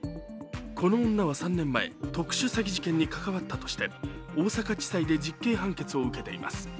この女は３年前、特殊詐欺事件に関わったとして大阪地裁で実刑判決を受けています。